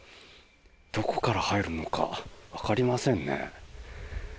どこから入るのかわかりませんね。